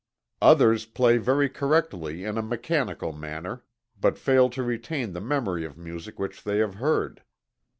Others play very correctly in a mechanical manner, but fail to retain the memory of music which they have heard.